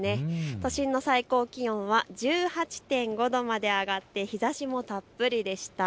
都心の最高気温は１８．５度まで上がって日ざしもたっぷりでした。